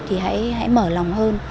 thì hãy mở lòng hơn